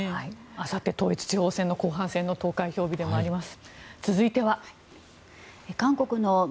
あさって統一地方選の後半戦の投開票日でもあります。